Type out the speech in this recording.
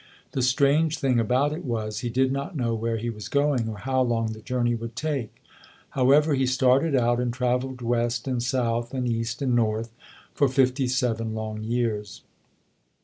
The strange thing about it was, he did not know where he was going or how long the journey would take. However, he started out and traveled west and south and east and north for fifty seven long years.